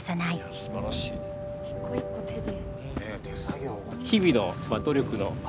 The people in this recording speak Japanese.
一個一個手で。